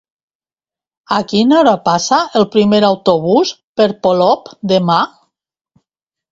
A quina hora passa el primer autobús per Polop demà?